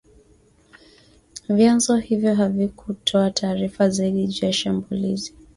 Vyanzo hivyo havikutoa taarifa zaidi juu ya shambulizi